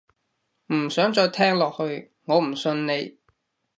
唔想再聽落去，我唔信你